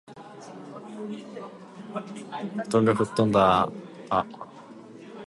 布団が吹っ飛んだあ